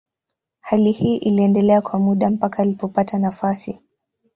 Hali hii iliendelea kwa muda mpaka alipopata nafasi.